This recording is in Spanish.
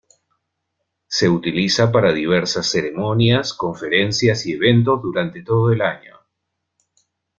Se utiliza para diversas ceremonias, conferencias y eventos durante todo el año.